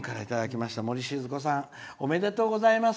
おめでとうございます。